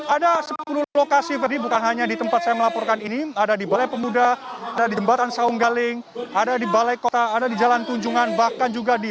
ada sepuluh lokasi ferdi bukan hanya di tempat saya melaporkan ini ada di balai pemuda ada di jembatan saunggaling ada di balai kota ada di jalan tunjungan bahkan juga di